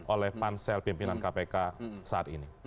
oleh pansel pimpinan kpk saat ini